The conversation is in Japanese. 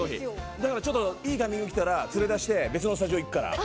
だから、いいタイミングきたら連れ出して別のスタジオ行くから。